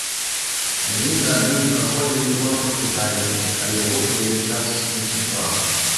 Адзін за адным праходзілі конкурсы таленту, але гурту ўвесь час не шанцавала.